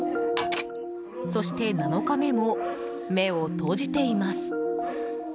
そして７日目も目を閉じています。